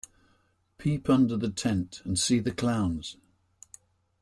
Peep under the tent and see the clowns.